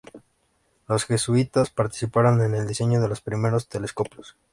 Los jesuitas participaron en el diseño de los primeros telescopios.